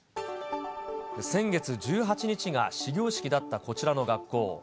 先月１８日が始業式だったこちらの学校。